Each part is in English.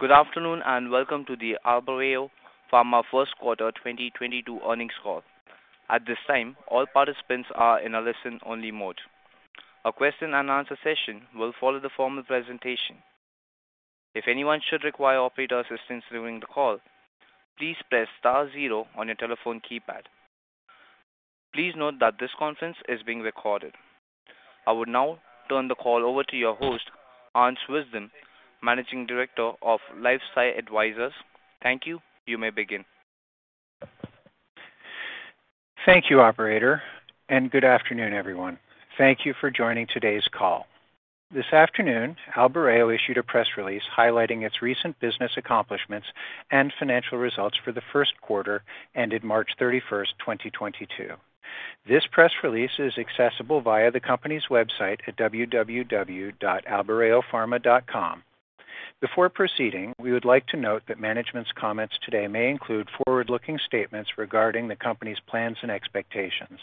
Good afternoon, and welcome to the Albireo Pharma first quarter 2022 earnings call. At this time, all participants are in a listen-only mode. A question and answer session will follow the formal presentation. If anyone should require operator assistance during the call, please press star zero on your telephone keypad. Please note that this conference is being recorded. I would now turn the call over to your host, Hans Vitzthum, Managing Director of LifeSci Advisors. Thank you. You may begin. Thank you, operator, and good afternoon, everyone. Thank you for joining today's call. This afternoon, Albireo Pharma issued a press release highlighting its recent business accomplishments and financial results for the first quarter ended March 31, 2022. This press release is accessible via the company's website at www.albireopharma.com. Before proceeding, we would like to note that management's comments today may include forward-looking statements regarding the company's plans and expectations.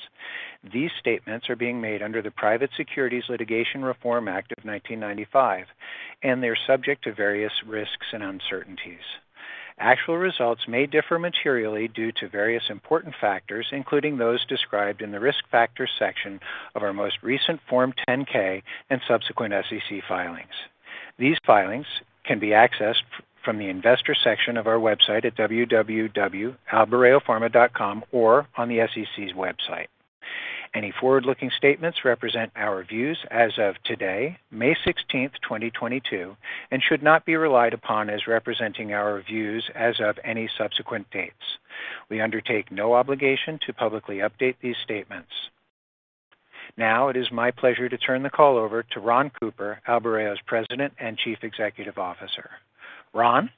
These statements are being made under the Private Securities Litigation Reform Act of 1995, and they're subject to various risks and uncertainties. Actual results may differ materially due to various important factors, including those described in the Risk Factors section of our most recent Form 10-K and subsequent SEC filings. These filings can be accessed from the Investor section of our website at www.albireopharma.com or on the SEC's website. Any forward-looking statements represent our views as of today, May 16, 2022, and should not be relied upon as representing our views as of any subsequent dates. We undertake no obligation to publicly update these statements. Now it is my pleasure to turn the call over to Ron Cooper, Albireo Pharma's President and Chief Executive Officer. Ron?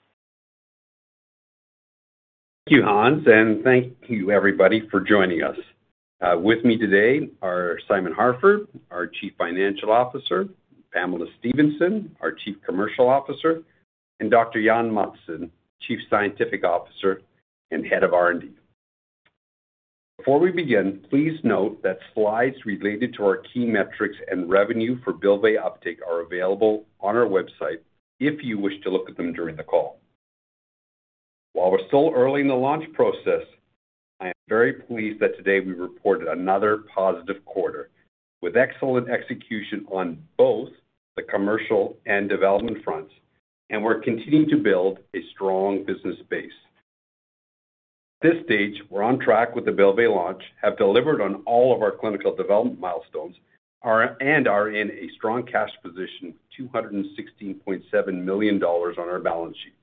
Thank you, Hans, and thank you, everybody, for joining us. With me today are Simon Harford, our Chief Financial Officer, Pamela Stephenson, our Chief Commercial Officer, and Dr. Jan Mattsson, Chief Scientific Officer and Head of R&D. Before we begin, please note that slides related to our key metrics and revenue for Bylvay uptake are available on our website if you wish to look at them during the call. While we're still early in the launch process, I am very pleased that today we reported another positive quarter with excellent execution on both the commercial and development fronts, and we're continuing to build a strong business base. At this stage, we're on track with the Bylvay launch, have delivered on all of our clinical development milestones, and are in a strong cash position, $216.7 million on our balance sheet.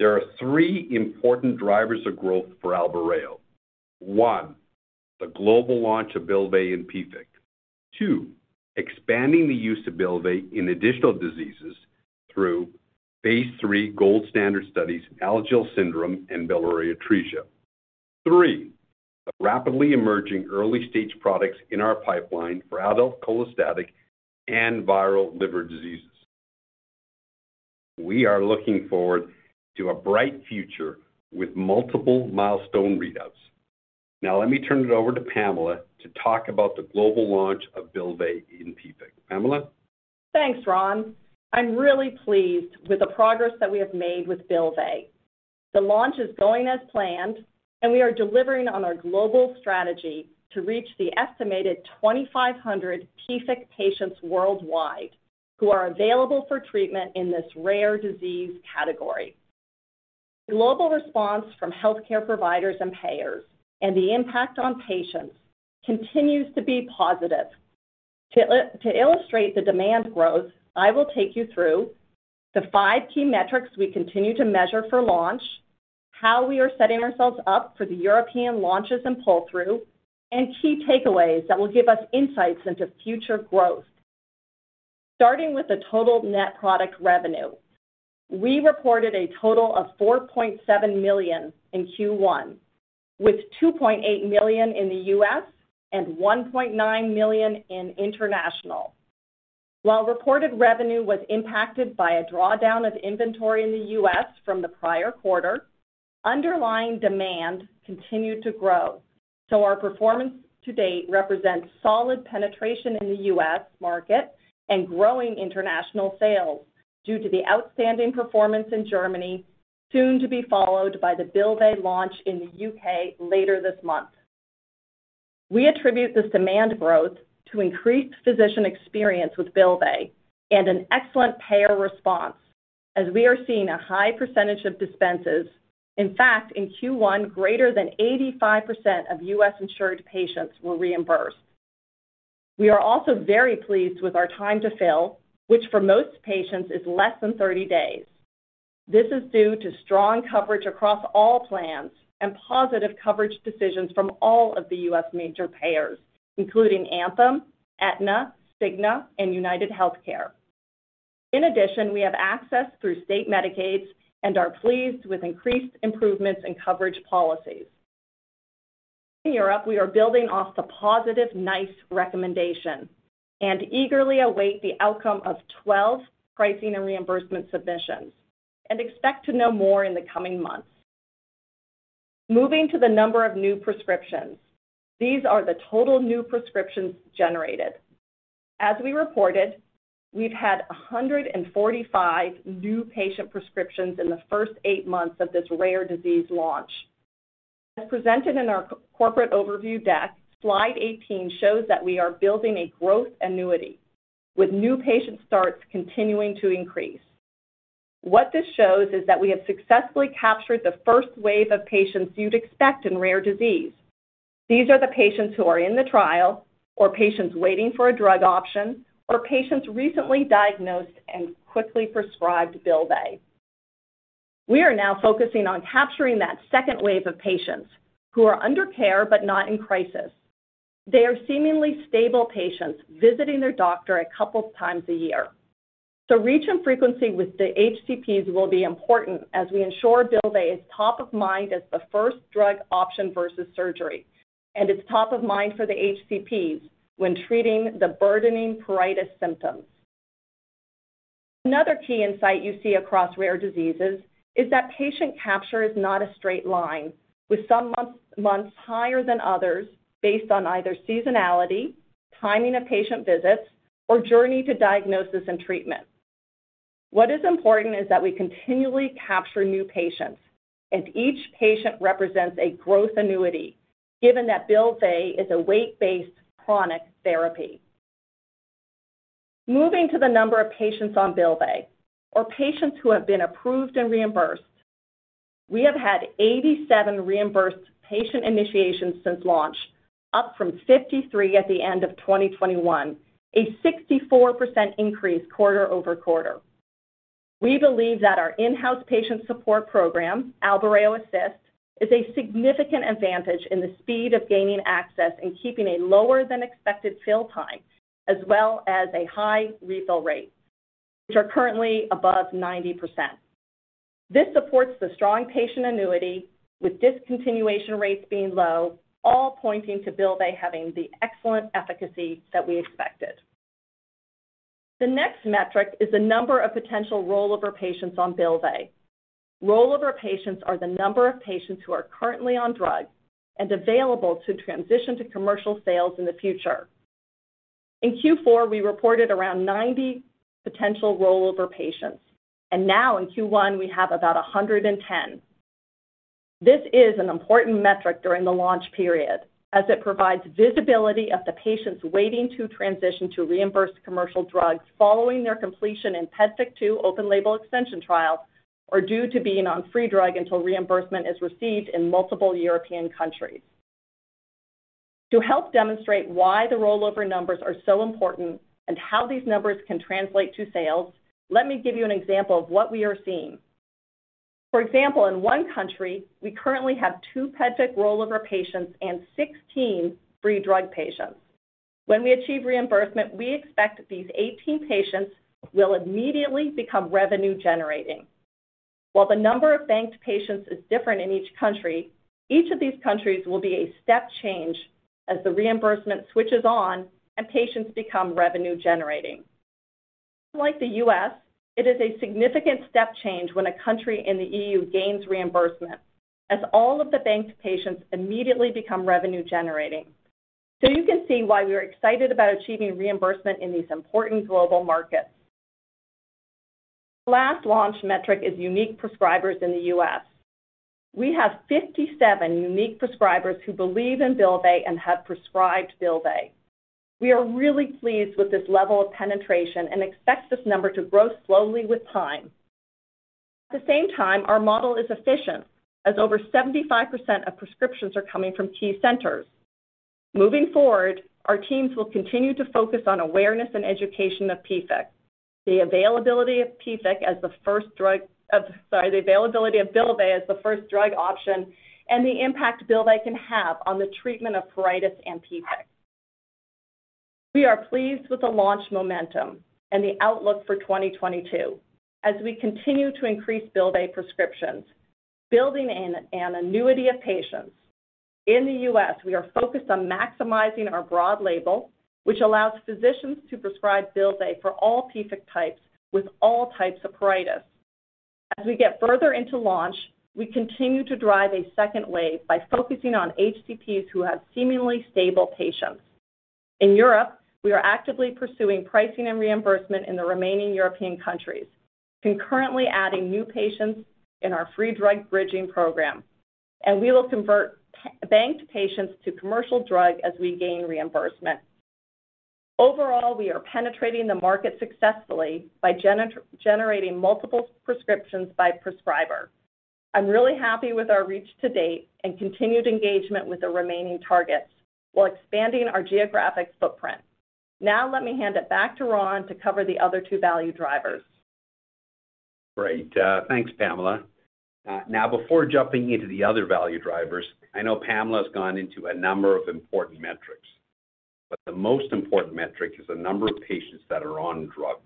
There are three important drivers of growth for Albireo. One, the global launch of Bylvay in PFIC. Two, expanding the use of Bylvay in additional diseases through phase III gold standard studies in Alagille syndrome and biliary atresia. Three, the rapidly emerging early-stage products in our pipeline for adult cholestatic and viral liver diseases. We are looking forward to a bright future with multiple milestone readouts. Now let me turn it over to Pamela to talk about the global launch of Bylvay in PFIC. Pamela? Thanks, Ron. I'm really pleased with the progress that we have made with Bylvay. The launch is going as planned, and we are delivering on our global strategy to reach the estimated 2,500 PFIC patients worldwide who are available for treatment in this rare disease category. Global response from healthcare providers and payers and the impact on patients continues to be positive. To illustrate the demand growth, I will take you through the five key metrics we continue to measure for launch, how we are setting ourselves up for the European launches and pull-through, and key takeaways that will give us insights into future growth. Starting with the total net product revenue, we reported a total of $4.7 million in Q1, with $2.8 million in the U.S. and $1.9 million in international. While reported revenue was impacted by a drawdown of inventory in the U.S. from the prior quarter, underlying demand continued to grow. Our performance to date represents solid penetration in the U.S. market and growing international sales due to the outstanding performance in Germany, soon to be followed by the Bylvay launch in the U.K. later this month. We attribute this demand growth to increased physician experience with Bylvay and an excellent payer response as we are seeing a high percentage of dispenses. In fact, in Q1, greater than 85% of U.S. insured patients were reimbursed. We are also very pleased with our time to fill, which for most patients is less than 30 days. This is due to strong coverage across all plans and positive coverage decisions from all of the U.S. major payers, including Anthem, Aetna, Cigna, and UnitedHealthcare. In addition, we have access through state Medicaid and are pleased with increased improvements in coverage policies. In Europe, we are building off the positive NICE recommendation and eagerly await the outcome of 12 pricing and reimbursement submissions and expect to know more in the coming months. Moving to the number of new prescriptions. These are the total new prescriptions generated. As we reported, we've had 145 new patient prescriptions in the first eight months of this rare disease launch. As presented in our corporate overview deck, slide 18 shows that we are building a growth annuity, with new patient starts continuing to increase. What this shows is that we have successfully captured the first wave of patients you'd expect in rare disease. These are the patients who are in the trial, or patients waiting for a drug option, or patients recently diagnosed and quickly prescribed Bylvay. We are now focusing on capturing that second wave of patients who are under care but not in crisis. They are seemingly stable patients visiting their doctor a couple times a year. Reach and frequency with the HCPs will be important as we ensure Bylvay is top of mind as the first drug option versus surgery, and it's top of mind for the HCPs when treating the burdening pruritus symptoms. Another key insight you see across rare diseases is that patient capture is not a straight line, with some months higher than others based on either seasonality, timing of patient visits, or journey to diagnosis and treatment. What is important is that we continually capture new patients, and each patient represents a growth annuity, given that Bylvay is a weight-based chronic therapy. Moving to the number of patients on Bylvay, or patients who have been approved and reimbursed. We have had 87 reimbursed patient initiations since launch, up from 53 at the end of 2021, a 64% increase quarter over quarter. We believe that our in-house patient support program, Albireo Assist, is a significant advantage in the speed of gaining access and keeping a lower than expected fill time, as well as a high refill rate, which are currently above 90%. This supports the strong patient annuity, with discontinuation rates being low, all pointing to Bylvay having the excellent efficacy that we expected. The next metric is the number of potential rollover patients on Bylvay. Rollover patients are the number of patients who are currently on drug and available to transition to commercial sales in the future. In Q4, we reported around 90 potential rollover patients, and now in Q1, we have about 110. This is an important metric during the launch period, as it provides visibility of the patients waiting to transition to reimbursed commercial drugs following their completion in PEDFIC 2 open label extension trials, or due to being on free drug until reimbursement is received in multiple European countries. To help demonstrate why the rollover numbers are so important and how these numbers can translate to sales, let me give you an example of what we are seeing. For example, in one country, we currently have 2 PEDFIC rollover patients and 16 free drug patients. When we achieve reimbursement, we expect these 18 patients will immediately become revenue generating. While the number of banked patients is different in each country, each of these countries will be a step change as the reimbursement switches on and patients become revenue generating. Unlike the U.S., it is a significant step change when a country in the E.U. gains reimbursement as all of the banked patients immediately become revenue generating. You can see why we are excited about achieving reimbursement in these important global markets. The last launch metric is unique prescribers in the U.S. We have 57 unique prescribers who believe in Bylvay and have prescribed Bylvay. We are really pleased with this level of penetration and expect this number to grow slowly with time. At the same time, our model is efficient as over 75% of prescriptions are coming from key centers. Moving forward, our teams will continue to focus on awareness and education of PFIC, the availability of Bylvay as the first drug option and the impact Bylvay can have on the treatment of pruritus and PFIC. We are pleased with the launch momentum and the outlook for 2022 as we continue to increase Bylvay prescriptions, building in an annuity of patients. In the U.S., we are focused on maximizing our broad label, which allows physicians to prescribe Bylvay for all PFIC types with all types of pruritus. As we get further into launch, we continue to drive a second wave by focusing on HCPs who have seemingly stable patients. In Europe, we are actively pursuing pricing and reimbursement in the remaining European countries, concurrently adding new patients in our free drug bridging program, and we will convert PA-banked patients to commercial drug as we gain reimbursement. Overall, we are penetrating the market successfully by generating multiple prescriptions by prescriber. I'm really happy with our reach to date and continued engagement with the remaining targets while expanding our geographic footprint. Now, let me hand it back to Ron to cover the other two value drivers. Great. Thanks, Pamela. Now before jumping into the other value drivers, I know Pamela has gone into a number of important metrics. The most important metric is the number of patients that are on drug.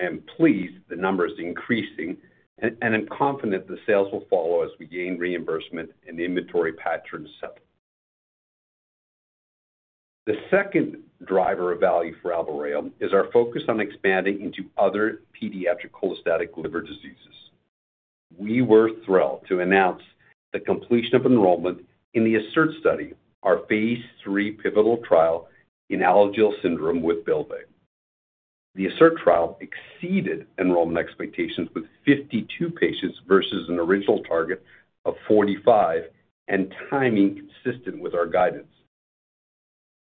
I am pleased the number is increasing and I'm confident the sales will follow as we gain reimbursement and the inventory patterns settle. The second driver of value for Albireo is our focus on expanding into other pediatric cholestatic liver diseases. We were thrilled to announce the completion of enrollment in the ASSERT study, our phase III pivotal trial in Alagille syndrome with Bylvay. The ASSERT trial exceeded enrollment expectations with 52 patients versus an original target of 45 and timing consistent with our guidance.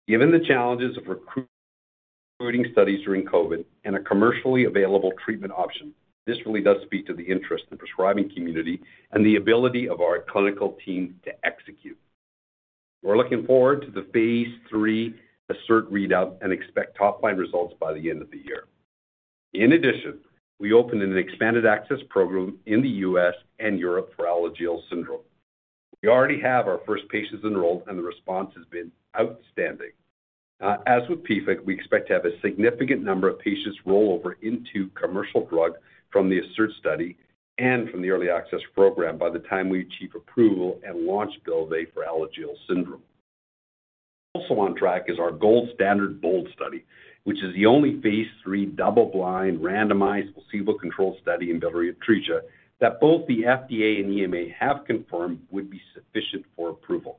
Given the challenges of recruiting studies during COVID and a commercially available treatment option, this really does speak to the interest in prescribing community and the ability of our clinical team to execute. We're looking forward to the phase III ASSERT readout and expect top line results by the end of the year. In addition, we opened an expanded access program in the U.S. and Europe for Alagille syndrome. We already have our first patients enrolled, and the response has been outstanding. As with PFIC, we expect to have a significant number of patients roll over into commercial drug from the ASSERT study and from the early access program by the time we achieve approval and launch Bylvay for Alagille syndrome. Also on track is our gold standard BOLD study, which is the only phase three double-blind randomized placebo-controlled study in biliary atresia that both the FDA and EMA have confirmed would be sufficient for approval.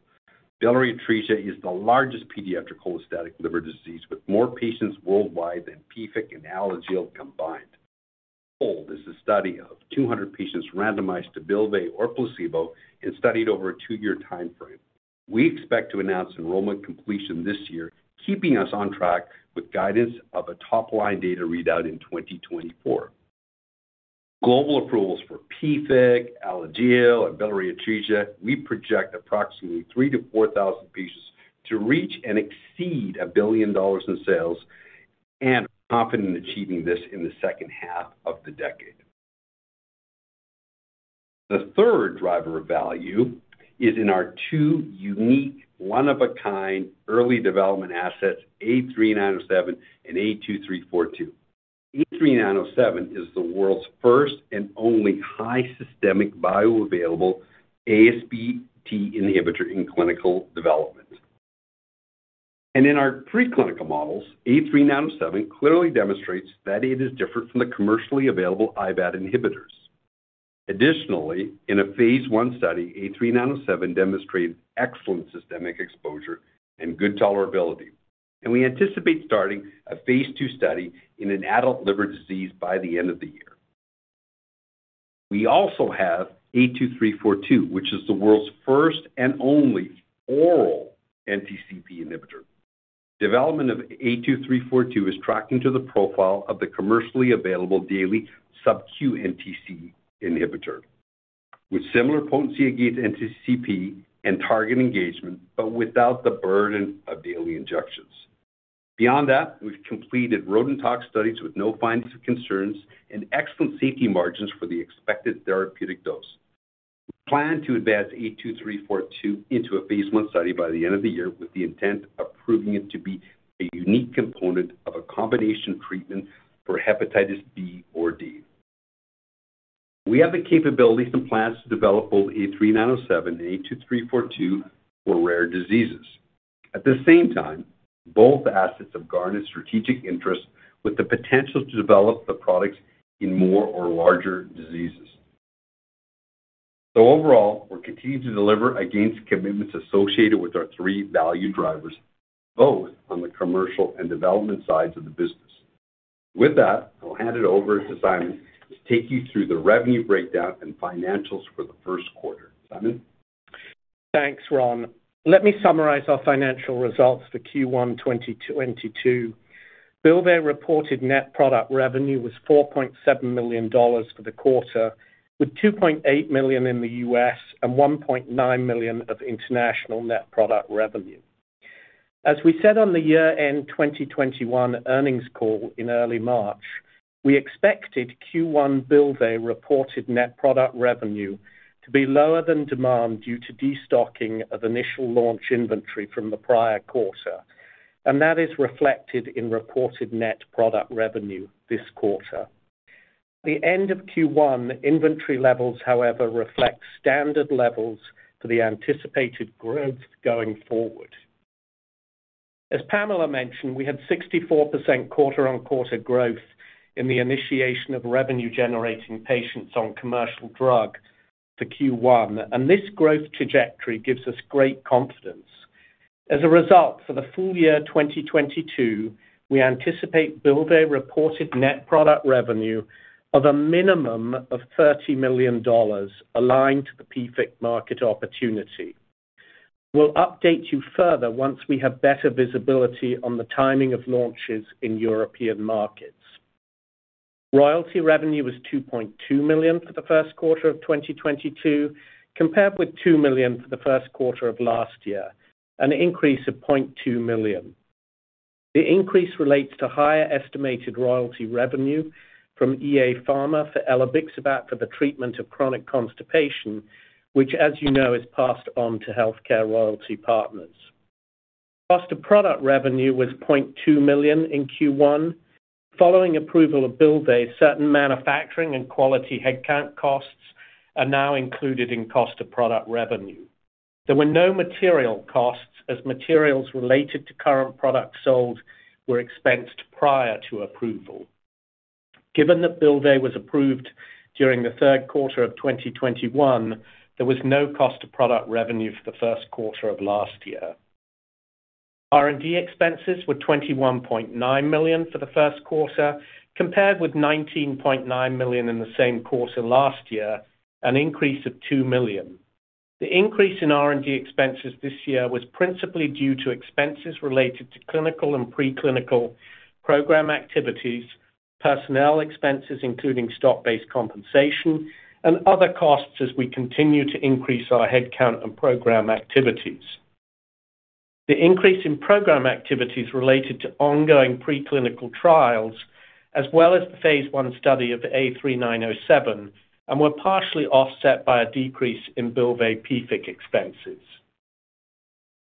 Biliary atresia is the largest pediatric cholestatic liver disease with more patients worldwide than PFIC and Alagille combined. BOLD is a study of 200 patients randomized to Bylvay or placebo and studied over a two year time frame. We expect to announce enrollment completion this year, keeping us on track with guidance of a top-line data readout in 2024. Global approvals for PFIC, Alagille, and biliary atresia. We project approximately 3,000-4,000 patients to reach and exceed $1 billion in sales and are confident in achieving this in the second half of the decade. The third driver of value is in our two unique, one-of-a-kind early development assets, A3907 and A2342. A3907 is the world's first and only high systemic bioavailable ASBT inhibitor in clinical development. In our preclinical models, A3907 clearly demonstrates that it is different from the commercially available IBAT inhibitors. Additionally, in a phase I study, A3907 demonstrated excellent systemic exposure and good tolerability. We anticipate starting a phase II study in an adult liver disease by the end of the year. We also have A2342, which is the world's first and only oral NTCP inhibitor. Development of A2342 is tracking to the profile of the commercially available daily subQ NTCP inhibitor. With similar potency against NTCP and target engagement, but without the burden of daily injections. Beyond that, we've completed rodent tox studies with no findings of concern and excellent safety margins for the expected therapeutic dose. We plan to advance A2342 into a phase I study by the end of the year with the intent of proving it to be a unique component of a combination treatment for hepatitis B or D. We have the capabilities and plans to develop both A3907 and A2342 for rare diseases. At the same time, both assets have garnered strategic interest with the potential to develop the products in more or larger diseases. Overall, we're continuing to deliver against commitments associated with our three value drivers, both on the commercial and development sides of the business. With that, I'll hand it over to Simon to take you through the revenue breakdown and financials for the first quarter. Simon? Thanks, Ron. Let me summarize our financial results for Q1 2022. Bylvay reported net product revenue was $4.7 million for the quarter, with $2.8 million in the U.S. and $1.9 million in international net product revenue. As we said on the year-end 2021 earnings call in early March, we expected Q1 Bylvay reported net product revenue to be lower than demand due to destocking of initial launch inventory from the prior quarter. That is reflected in reported net product revenue this quarter. At the end of Q1, inventory levels, however, reflect standard levels for the anticipated growth going forward. As Pamela mentioned, we had 64% quarter-on-quarter growth in the initiation of revenue-generating patients on commercial drug for Q1, and this growth trajectory gives us great confidence. As a result, for the full year 2022, we anticipate Bylvay reported net product revenue of a minimum of $30 million aligned to the PFIC market opportunity. We'll update you further once we have better visibility on the timing of launches in European markets. Royalty revenue was $2.2 million for the first quarter of 2022, compared with $2 million for the first quarter of last year, an increase of $0.2 million. The increase relates to higher estimated royalty revenue from EA Pharma for elobixibat for the treatment of chronic constipation, which as you know is passed on to HealthCare Royalty Partners. Cost of product revenue was $0.2 million in Q1. Following approval of Bylvay, certain manufacturing and quality headcount costs are now included in cost of product revenue. There were no material costs as materials related to current products sold were expensed prior to approval. Given that Bylvay was approved during the third quarter of 2021, there was no cost to product revenue for the first quarter of last year. R&D expenses were $21.9 million for the first quarter compared with $19.9 million in the same quarter last year, an increase of $2 million. The increase in R&D expenses this year was principally due to expenses related to clinical and pre-clinical program activities, personnel expenses, including stock-based compensation and other costs as we continue to increase our headcount and program activities. The increase in program activities related to ongoing pre-clinical trials as well as the phase I study of A3907 and were partially offset by a decrease in Bylvay PFIC expenses.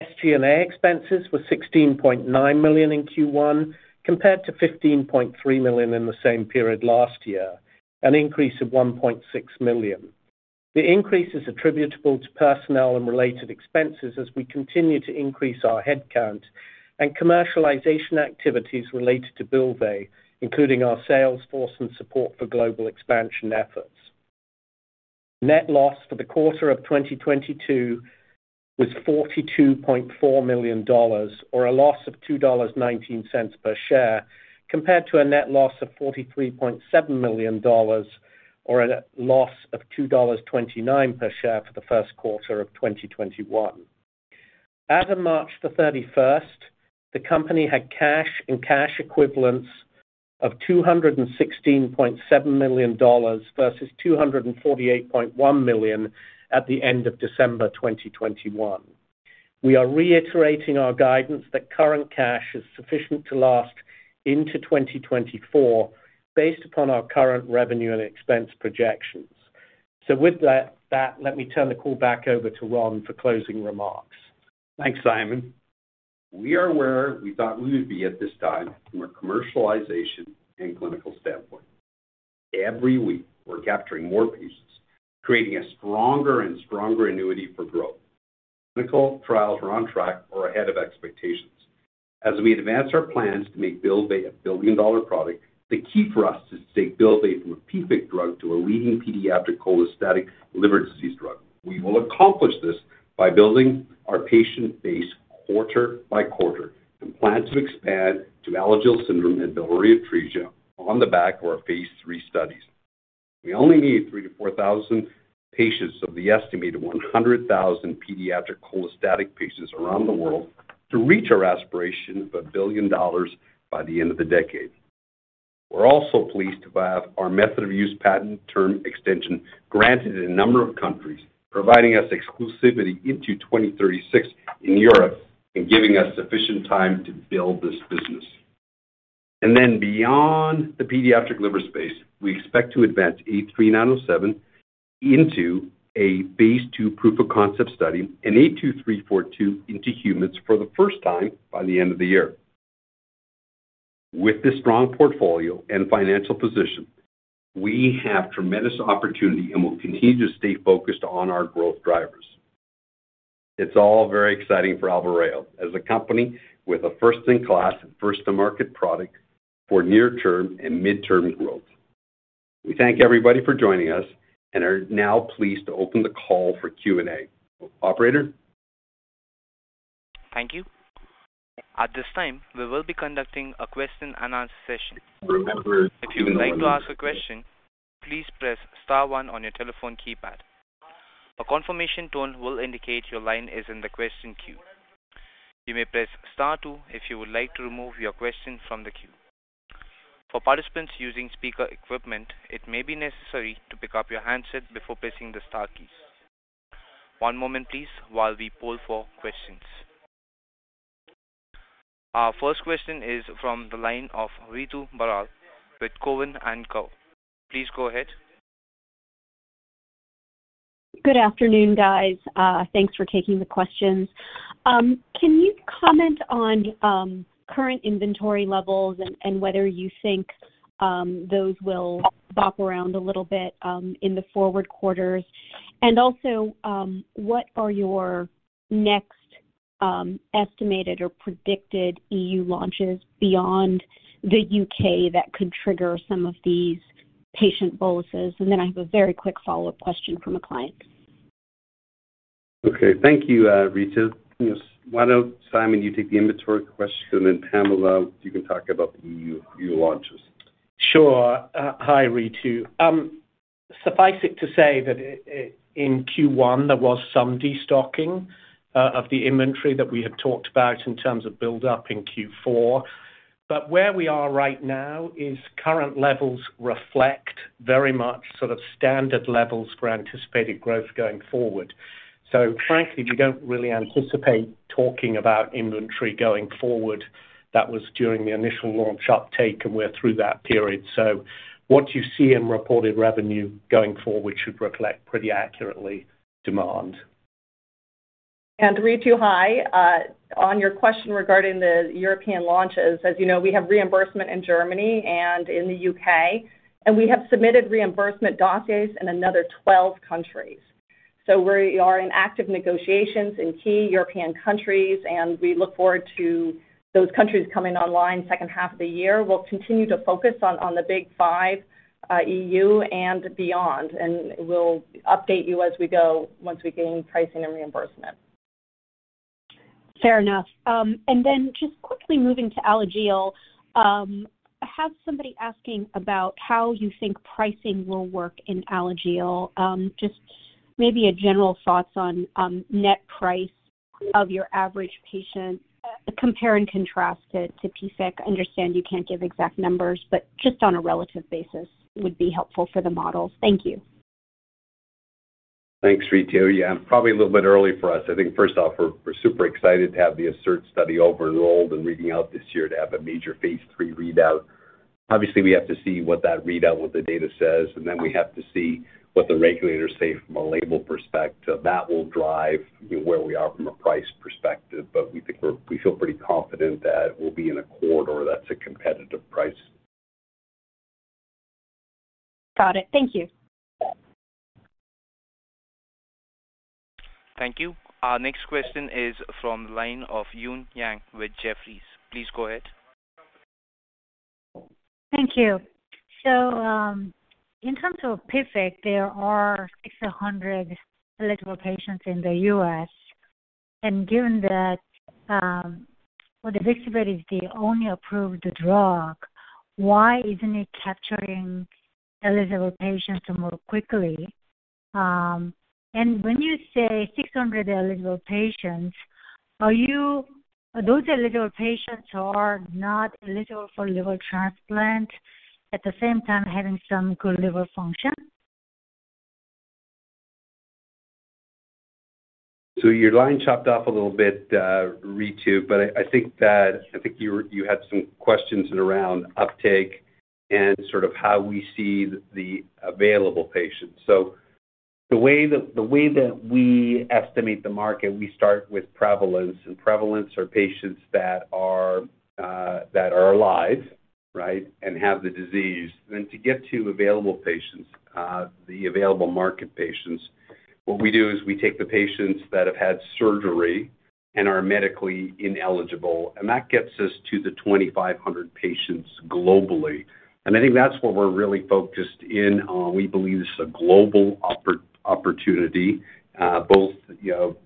SG&A expenses were $16.9 million in Q1 compared to $15.3 million in the same period last year, an increase of $1.6 million. The increase is attributable to personnel and related expenses as we continue to increase our headcount and commercialization activities related to Bylvay, including our sales force and support for global expansion efforts. Net loss for the quarter of 2022 was $42.4 million or a loss of $2.19 per share, compared to a net loss of $43.7 million or a loss of $2.29 per share for the first quarter of 2021. As of March 31, the company had cash and cash equivalents of $216.7 million versus $248.1 million at the end of December 2021. We are reiterating our guidance that current cash is sufficient to last into 2024 based upon our current revenue and expense projections. With that, let me turn the call back over to Ron for closing remarks. Thanks, Simon. We are where we thought we would be at this time from a commercialization and clinical standpoint. Every week, we're capturing more pieces, creating a stronger and stronger annuity for growth. Clinical trials are on track or ahead of expectations. As we advance our plans to make Bylvay a billion-dollar product, the key for us is to take Bylvay from a PFIC drug to a leading pediatric cholestatic liver disease drug. We will accomplish this by building our patient base quarter by quarter and plan to expand to Alagille syndrome and biliary atresia on the back of our phase III studies. We only need 3,000-4,000 patients of the estimated 100,000 pediatric cholestatic patients around the world to reach our aspiration of $1 billion by the end of the decade. We're also pleased to have our method of use patent term extension granted in a number of countries, providing us exclusivity into 2036 in Europe and giving us sufficient time to build this business. Then beyond the pediatric liver space, we expect to advance A3907 into a phase II proof of concept study and A2342 into humans for the first time by the end of the year. With this strong portfolio and financial position, we have tremendous opportunity and will continue to stay focused on our growth drivers. It's all very exciting for Albireo as a company with a first-in-class and first-to-market product for near-term and mid-term growth. We thank everybody for joining us and are now pleased to open the call for Q&A. Operator? Thank you. At this time, we will be conducting a question and answer session. If you would like to ask a question, please press star one on your telephone keypad. A confirmation tone will indicate your line is in the question queue. You may press star two if you would like to remove your question from the queue. For participants using speaker equipment, it may be necessary to pick up your handset before pressing the star keys. One moment please while we poll for questions. Our first question is from the line of Ritu Baral with Cowen and Company. Please go ahead. Good afternoon, guys. Thanks for taking the questions. Can you comment on current inventory levels and whether you think those will bob around a little bit in the forward quarters? Also, what are your next estimated or predicted EU launches beyond the UK that could trigger some of these patient boluses? Then I have a very quick follow-up question from a client. Okay. Thank you, Ritu. Why don't, Simon, you take the inventory question, and Pamela, you can talk about the EU launches. Sure. Hi, Ritu. Suffice it to say that in Q1, there was some destocking of the inventory that we had talked about in terms of buildup in Q4. Where we are right now is current levels reflect very much sort of standard levels for anticipated growth going forward. Frankly, we don't really anticipate talking about inventory going forward. That was during the initial launch uptake, and we're through that period. What you see in reported revenue going forward should reflect pretty accurately demand. Ritu Baral, on your question regarding the European launches, as you know, we have reimbursement in Germany and in the U.K., and we have submitted reimbursement dossiers in another 12 countries. We are in active negotiations in key European countries, and we look forward to those countries coming online second half of the year. We'll continue to focus on the big five, E.U. and beyond, and we'll update you as we go once we gain pricing and reimbursement. Fair enough. Just quickly moving to Alagille. I have somebody asking about how you think pricing will work in Alagille. Just maybe a general thoughts on net price of your average patient, compare and contrast it to PFIC. I understand you can't give exact numbers, but just on a relative basis would be helpful for the models. Thank you. Thanks, Ritu. Yeah, probably a little bit early for us. I think first off, we're super excited to have the ASSERT study over-enrolled and reading out this year to have a major phase III readout. Obviously, we have to see what that readout, what the data says, and then we have to see what the regulators say from a label perspective. That will drive where we are from a price perspective. We think we're, we feel pretty confident that we'll be in a corridor that's a competitive price. Got it. Thank you. Thank you. Our next question is from the line of Eun Yang with Jefferies. Please go ahead. Thank you. In terms of PFIC, there are 600 eligible patients in the U.S., and given that with Bylvay is the only approved drug, why isn't it capturing eligible patients more quickly? When you say 600 eligible patients, those eligible patients are not eligible for liver transplant, at the same time, having some good liver function? Your line chopped off a little bit, Ritu, but I think you were, you had some questions around uptake and sort of how we see the available patients. The way that we estimate the market, we start with prevalence, and prevalence are patients that are alive, right? And have the disease. To get to available patients, the available market patients, what we do is we take the patients that have had surgery and are medically ineligible, and that gets us to the 2,500 patients globally. I think that's what we're really focused in on. We believe this is a global opportunity, you know,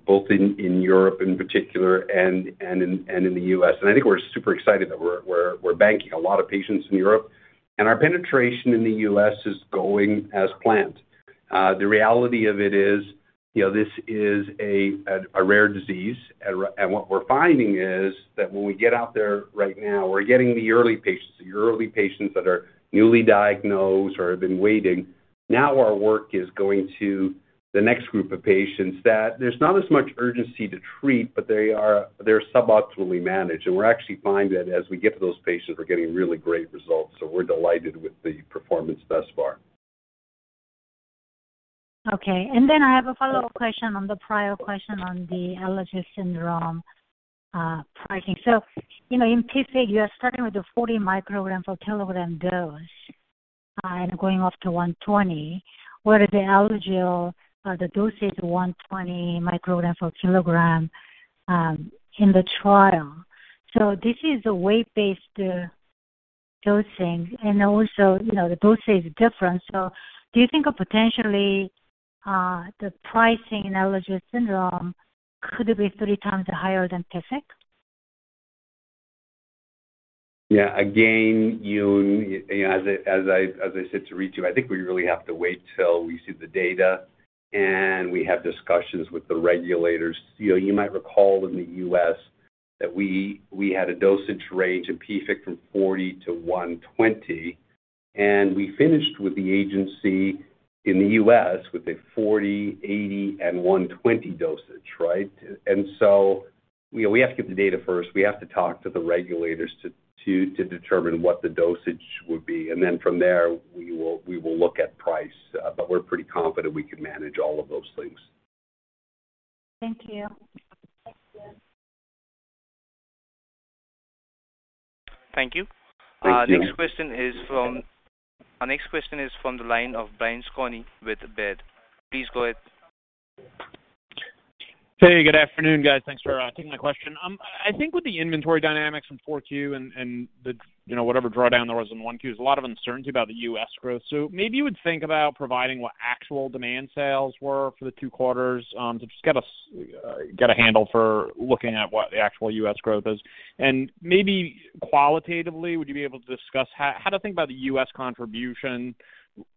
both in Europe in particular and in the US. I think we're super excited that we're banking a lot of patients in Europe. Our penetration in the US is going as planned. The reality of it is, you know, this is a rare disease. What we're finding is that when we get out there right now, we're getting the early patients, the early patients that are newly diagnosed or have been waiting. Now our work is going to the next group of patients that there's not as much urgency to treat, but they're suboptimally managed. We're actually finding that as we get to those patients, we're getting really great results, so we're delighted with the performance thus far. Okay. Then I have a follow-up question on the prior question on the Alagille syndrome, pricing. You know, in PFIC, you are starting with a 40 microgram/kg dose, and going up to 120, where the Alagille, the dose is 120 microgram per kilogram, in the trial. This is a weight-based dosing. Also, you know, the dosage is different. Do you think of potentially, the pricing in Alagille syndrome could be three times higher than PFIC? Yeah. Again, Yoon, you know, as I said to Ritu, I think we really have to wait till we see the data and we have discussions with the regulators. You know, you might recall in the U.S. that we had a dosage range in PFIC from 40-120, and we finished with the agency in the U.S. with a 40, 80, and 120 dosage, right? You know, we have to get the data first. We have to talk to the regulators to determine what the dosage would be. And then from there, we will look at price. But we're pretty confident we can manage all of those things. Thank you. Thank you. Thank you. Our next question is from the line of Brian Skorney with Baird. Please go ahead. Hey, good afternoon, guys. Thanks for taking my question. I think with the inventory dynamics from Q4 and the, you know, whatever drawdown there was in Q1, there's a lot of uncertainty about the U.S. growth. Maybe you would think about providing what actual demand sales were for the two quarters, to just get a handle for looking at what the actual U.S. growth is. Maybe qualitatively, would you be able to discuss how to think about the U.S. contribution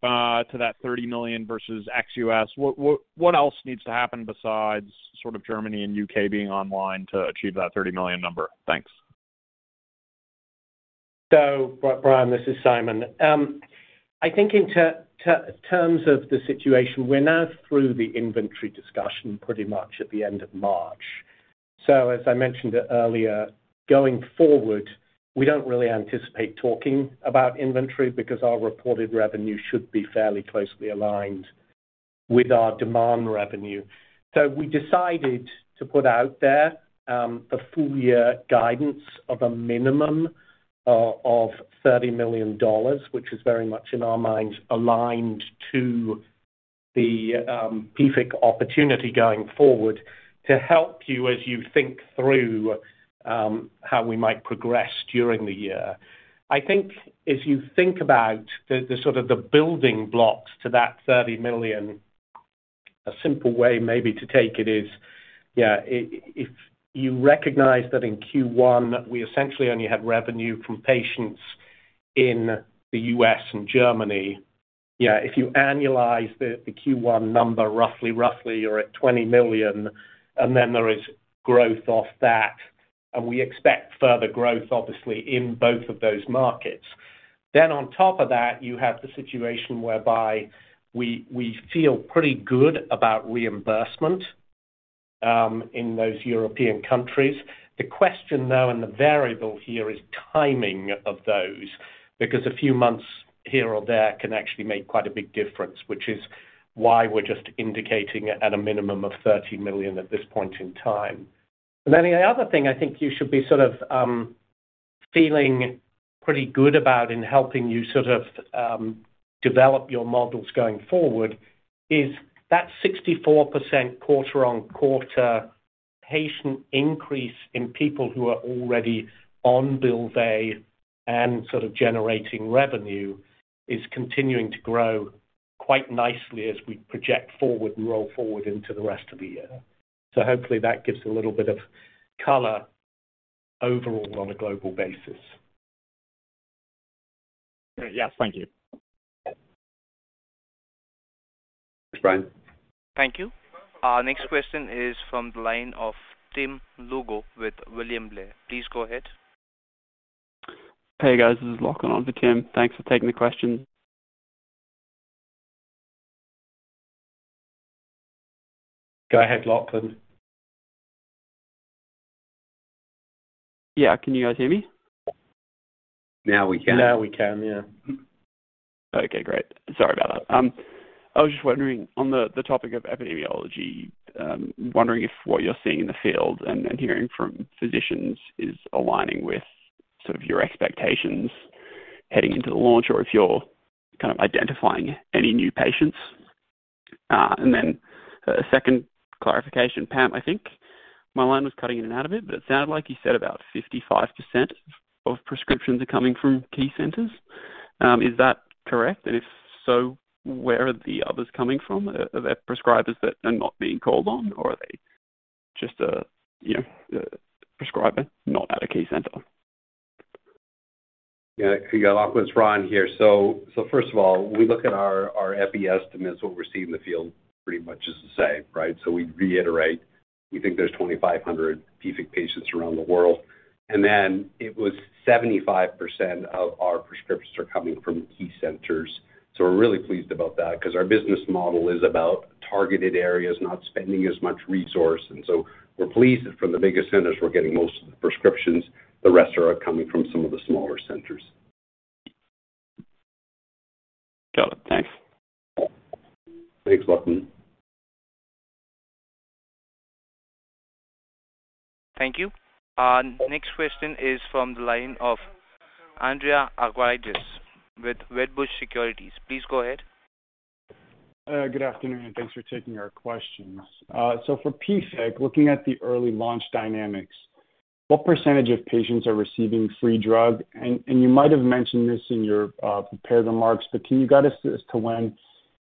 to that $30 million versus ex-U.S. What else needs to happen besides sort of Germany and U.K. being online to achieve that $30 million number? Thanks. Brian, this is Simon. I think in terms of the situation, we're now through the inventory discussion pretty much at the end of March. As I mentioned earlier, going forward, we don't really anticipate talking about inventory because our reported revenue should be fairly closely aligned with our demand revenue. We decided to put out there the full year guidance of a minimum of $30 million, which is very much in our minds, aligned to the PFIC opportunity going forward to help you as you think through how we might progress during the year. I think if you think about the sort of the building blocks to that $30 million, a simple way maybe to take it is, yeah, if you recognize that in Q1, we essentially only had revenue from patients in the US and Germany. Yeah, if you annualize the Q1 number, roughly, you're at $20 million, and then there is growth off that, and we expect further growth obviously in both of those markets. On top of that, you have the situation whereby we feel pretty good about reimbursement in those European countries. The question now and the variable here is timing of those, because a few months here or there can actually make quite a big difference, which is why we're just indicating at a minimum of $30 million at this point in time. The other thing I think you should be sort of feeling pretty good about in helping you sort of develop your models going forward is that 64% quarter-on-quarter patient increase in people who are already on Bylvay and sort of generating revenue is continuing to grow quite nicely as we project forward and roll forward into the rest of the year. Hopefully that gives a little bit of color overall on a global basis. Yes. Thank you. Brian. Thank you. Our next question is from the line of Tim Lugo with William Blair. Please go ahead. Hey, guys. This is Lachlan on for Tim. Thanks for taking the question. Go ahead, Lachlan. Yeah. Can you guys hear me? Now we can. Now we can, yeah. Okay, great. Sorry about that. I was just wondering on the topic of epidemiology, wondering if what you're seeing in the field and hearing from physicians is aligning with sort of your expectations heading into the launch or if you're kind of identifying any new patients. And then a second clarification, Pam, I think. My line was cutting in and out of it, but it sounded like you said about 55% of prescriptions are coming from key centers. Is that correct? And if so, where are the others coming from? Are there prescribers that are not being called on or are they just you know a prescriber not at a key center? Yeah. Lachlan, it's Ron here. First of all, we look at our epi estimates, what we see in the field pretty much is the same, right? We reiterate, we think there's 2,500 PFIC patients around the world. Then it's 75% of our prescriptions are coming from key centers. We're really pleased about that 'cause our business model is about targeted areas, not spending as much resource. We're pleased that from the biggest centers, we're getting most of the prescriptions, the rest are coming from some of the smaller centers. Got it. Thanks. Thanks, Lachlan. Thank you. Our next question is from the line of Andreas Argyrides with Wedbush Securities. Please go ahead. Good afternoon, and thanks for taking our questions. For PFIC, looking at the early launch dynamics, what percentage of patients are receiving free drug? You might have mentioned this in your prepared remarks, but can you guide us as to when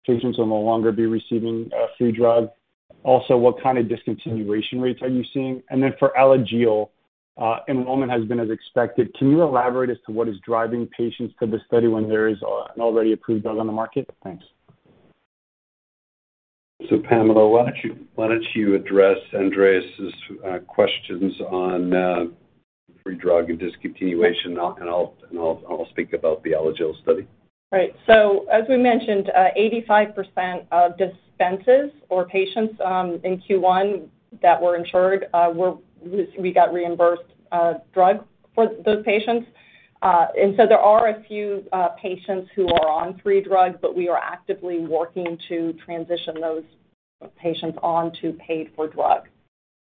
patients will no longer be receiving free drug? Also, what kind of discontinuation rates are you seeing? For Alagille, enrollment has been as expected. Can you elaborate as to what is driving patients to the study when there is an already approved drug on the market? Thanks. Pamela, why don't you address Andreas's questions on free drug and discontinuation now, and I'll speak about the Alagille study. Right. As we mentioned, 85% of dispenses or patients in Q1 that were insured, we got reimbursed drug for those patients. There are a few patients who are on free drugs, but we are actively working to transition those patients on to paid-for drug.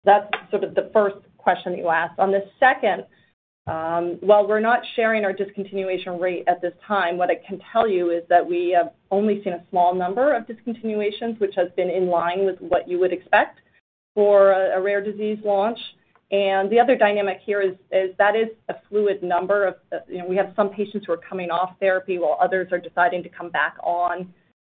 That's sort of the first question that you asked. On the second, while we're not sharing our discontinuation rate at this time, what I can tell you is that we have only seen a small number of discontinuations, which has been in line with what you would expect for a rare disease launch. The other dynamic here is that it's a fluid number. You know, we have some patients who are coming off therapy while others are deciding to come back on.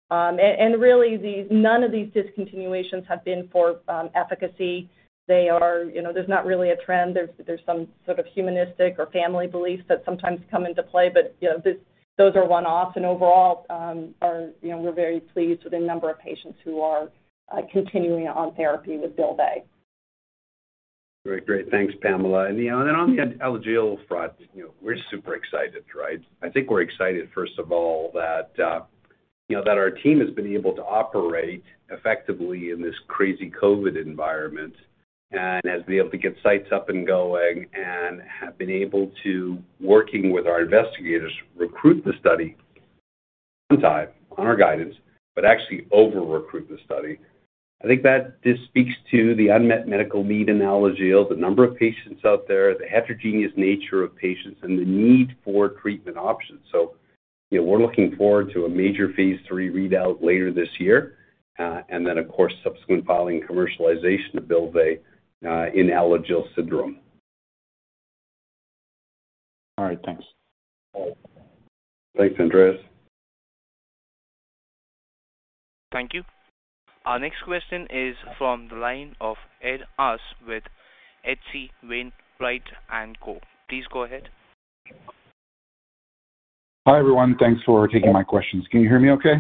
Really, none of these discontinuations have been for efficacy. They are, you know, there's not really a trend. There's some sort of humanistic or family beliefs that sometimes come into play. You know, those are one-offs and overall, you know, we're very pleased with the number of patients who are continuing on therapy with Bylvay. Great. Thanks, Pamela. You know, and on the Alagille front, you know, we're super excited, right? I think we're excited, first of all, that You know, that our team has been able to operate effectively in this crazy COVID environment, and has been able to get sites up and going, and have been able to, working with our investigators, recruit the study on time, on our guidance, but actually over-recruit the study. I think that just speaks to the unmet medical need in Alagille, the number of patients out there, the heterogeneous nature of patients, and the need for treatment options. You know, we're looking forward to a major phase III readout later this year, and then, of course, subsequent filing commercialization of Bylvay, in Alagille syndrome. All right. Thanks. Thanks, Andreas. Thank you. Our next question is from the line of Ed Arce with H.C. Wainwright & Co. Please go ahead. Hi, everyone. Thanks for taking my questions. Can you hear me okay?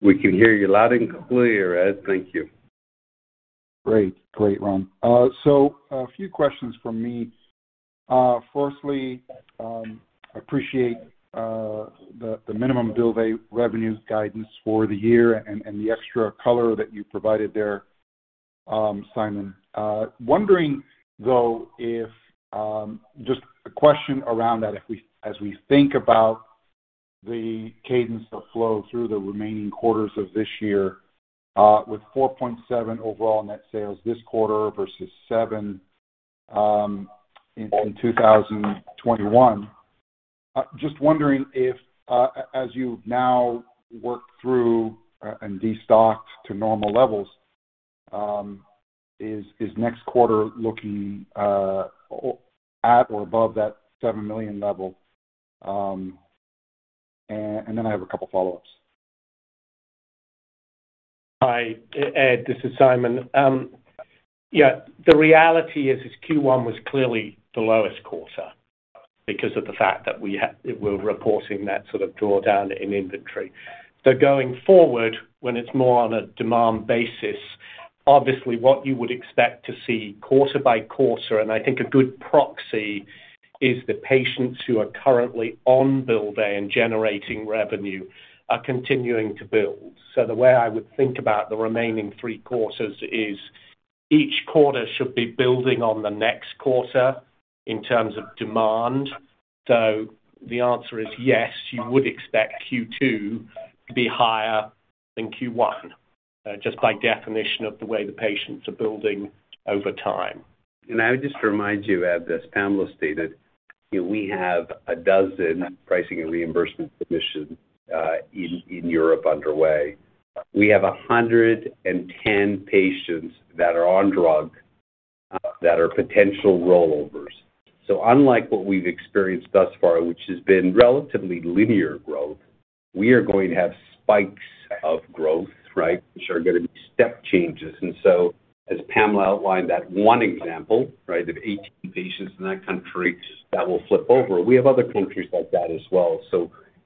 We can hear you loud and clear, Ed. Thank you. Great. Great, Ron. A few questions from me. Firstly, appreciate the minimum Bylvay revenues guidance for the year and the extra color that you provided there, Simon. Wondering, though, if just a question around that. As we think about the cadence of flow through the remaining quarters of this year, with $4.7 million overall net sales this quarter versus $7 million in 2021, just wondering if, as you now work through and destock to normal levels, is next quarter looking at or above that $7 million level? And then I have a couple follow-ups. Hi, Ed. This is Simon. The reality is Q1 was clearly the lowest quarter because of the fact that we're reporting that sort of drawdown in inventory. Going forward, when it's more on a demand basis, obviously what you would expect to see quarter by quarter, and I think a good proxy, is the patients who are currently on Bylvay and generating revenue are continuing to build. The way I would think about the remaining three quarters is each quarter should be building on the next quarter in terms of demand. The answer is yes, you would expect Q2 to be higher than Q1, just by definition of the way the patients are building over time. I would just remind you, Ed, as Pamela stated, you know, we have 12 pricing and reimbursement submissions in Europe underway. We have 110 patients that are on drug that are potential rollovers. Unlike what we've experienced thus far, which has been relatively linear growth, we are going to have spikes of growth, right? Which are gonna be step changes. As Pamela outlined that one example, right, of 18 patients in that country that will flip over, we have other countries like that as well.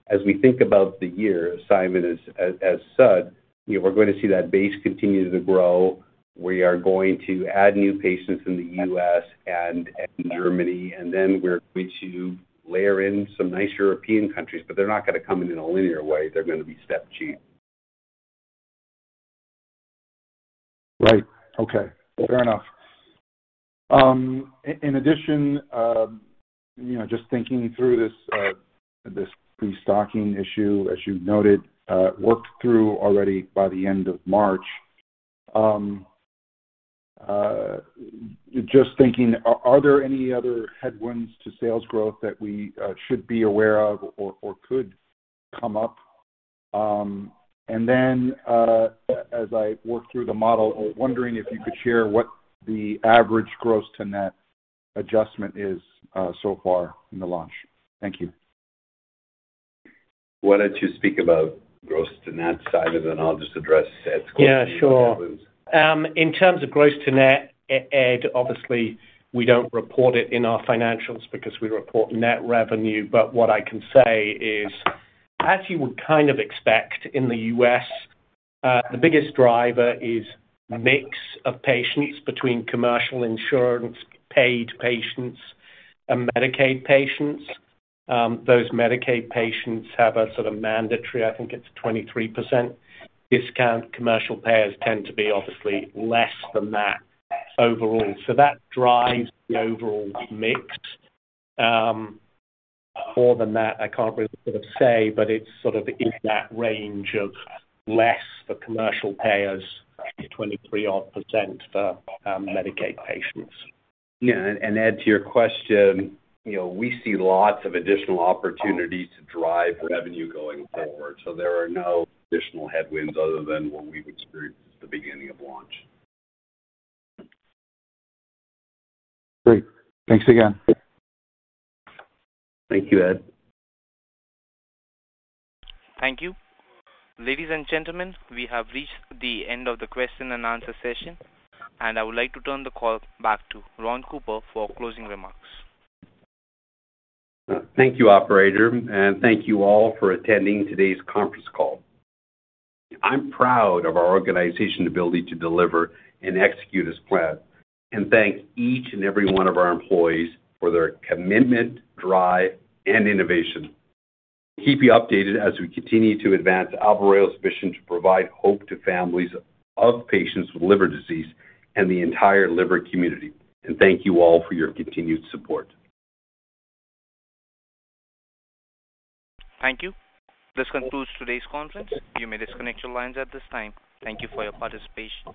As we think about the year, as Simon has said, you know, we're going to see that base continue to grow. We are going to add new patients in the U.S. and Germany, and then we're going to layer in some nice European countries, but they're not gonna come in in a linear way. They're gonna be step changes. Right. Okay. Fair enough. In addition, you know, just thinking through this pre-stocking issue, as you noted, worked through already by the end of March, just thinking, are there any other headwinds to sales growth that we should be aware of or could come up? As I work through the model, wondering if you could share what the average gross to net adjustment is, so far in the launch. Thank you. Why don't you speak about gross to net side, and then I'll just address Ed's question. Yeah, sure. In terms of gross to net, Ed, obviously we don't report it in our financials because we report net revenue. What I can say is, as you would kind of expect in the US, the biggest driver is mix of patients between commercial insurance paid patients and Medicaid patients. Those Medicaid patients have a sort of mandatory, I think it's 23% discount. Commercial payers tend to be obviously less than that overall. That drives the overall mix. More than that, I can't really sort of say, but it's sort of in that range of less for commercial payers, maybe 23% odd for Medicaid patients. Yeah. Ed, to your question, you know, we see lots of additional opportunities to drive revenue going forward. There are no additional headwinds other than what we've experienced at the beginning of launch. Great. Thanks again. Thank you, Ed. Thank you. Ladies and gentlemen, we have reached the end of the question and answer session, and I would like to turn the call back to Ron Cooper for closing remarks. Thank you, operator, and thank you all for attending today's conference call. I'm proud of our organization ability to deliver and execute as planned and thank each and every one of our employees for their commitment, drive, and innovation. We'll keep you updated as we continue to advance Albireo's mission to provide hope to families of patients with liver disease and the entire liver community. Thank you all for your continued support. Thank you. This concludes today's conference. You may disconnect your lines at this time. Thank you for your participation.